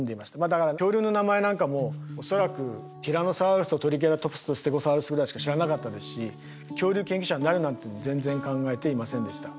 だから恐竜の名前なんかもう恐らくティラノサウルスとトリケラトプスとステゴサウルスぐらいしか知らなかったですし恐竜研究者になるなんて全然考えていませんでした。